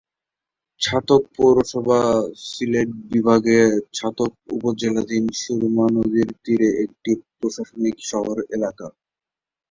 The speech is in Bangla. ছাতক পৌরসভা সিলেট বিভাগের ছাতক উপজেলাধীন সুরমা নদীর তীরে একটি প্রশাসনিক শহর এলাকা।